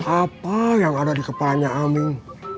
apa yang ada di kepalanya aming